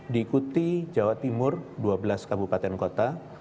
diikuti jawa timur dua belas kabupaten kota